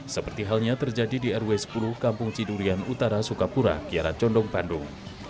seperti halnya terjadi di rw sepuluh kampung cidurian utara sukapura kiara condong bandung